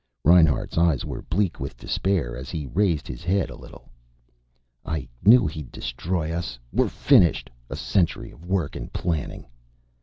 Reinhart's eyes were bleak with despair as he raised his head a little. "I knew he'd destroy us. We're finished. A century of work and planning."